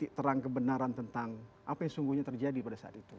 terang kebenaran tentang apa yang sungguhnya terjadi pada saat itu